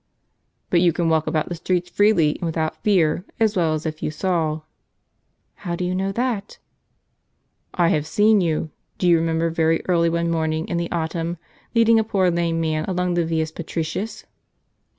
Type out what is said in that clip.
" But you can walk about the streets freely, and without fear, as well as if you saw." " How do you know that? " "I have seen vou. Do you remember very early one morning in the autumn, leading a poor laine man along the Vieus Patricius?